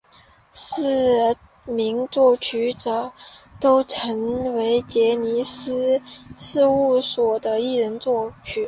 四名作曲者都曾为杰尼斯事务所的艺人作曲。